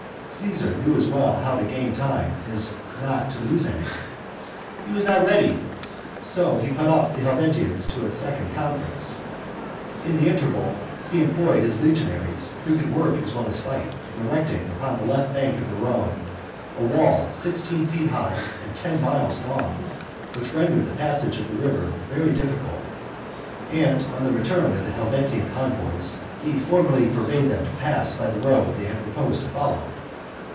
Caesar knew as well how to gain time as not to lose any: he was not ready; so he put off the Helvetians to a second conference. In the interval he employed his legionaries, who could work as well as fight, in erecting upon the left bank of the Rhone a wall sixteen feet high and ten miles long, which rendered the passage of the river very difficult, and, on the return of the Helvetian envoys, he formally forbade them to pass by the road they had proposed to follow.